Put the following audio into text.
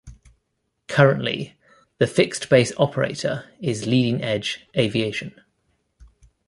Currently, the fixed-base operator is Leading Edge Aviation.